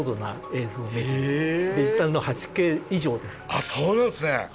あっそうなんですね！